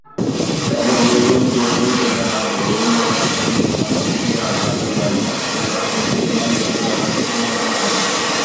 এবং Europe route মূলত জাহাজ, রেল ও রাস্তা দিয়ে ভারত, ইরান, আজারবাইজান এবং রাশিয়া থেকে মালবাহী জাহাজ পরিচালনা করে।